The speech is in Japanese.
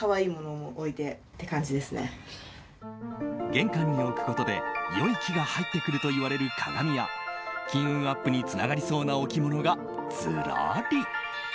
玄関に置くことで良い気が入ってくるといわれる鏡や金運アップにつながりそうな置物がずらり。